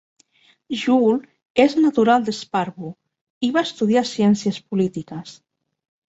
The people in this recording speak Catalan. Juul és natural de Sparbu i va estudiar ciències polítiques.